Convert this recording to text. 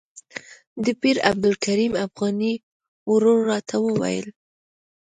د پیر عبدالکریم افغاني ورور راته وویل.